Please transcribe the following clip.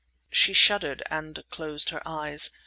She shuddered and closed her eyes.